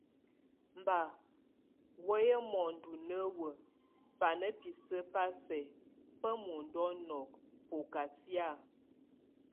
Mba wéye mondo néwe baná bʼ ise ba sɛk, bá muendu ɔnɔk, bɔkɔa síak.